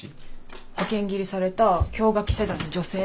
派遣切りされた氷河期世代の女性。